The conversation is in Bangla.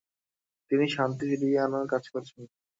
তিনি শান্তি ফিরিয়ে আনার কাজ করেছেন।